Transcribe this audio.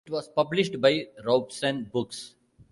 It was published by Robson Books.